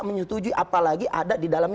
menyetujui apalagi ada di dalamnya